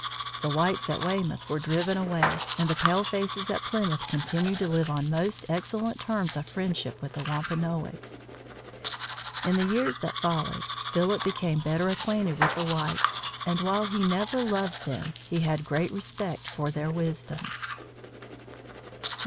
The whites at Weymouth were driven away and the palefaces at Plymouth continued to live on most excellent terms of friendship with the Wampanoags. In the years that followed, Philip became better acquainted with the whites, and while he never loved them, he had great respect for their wisdom. VI.